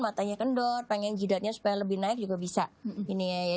matanya kendor pengen jidatnya supaya lebih naik juga bisa ini ya